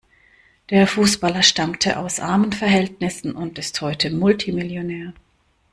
Der Fußballer stammte aus armen Verhältnissen und ist heute Multimillionär.